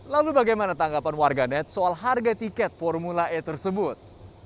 lalu bagaimana tanggapan warga net soal harga tiket formula e tersebut